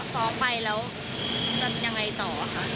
ฟ้องไปแล้วจะยังไงต่อคะ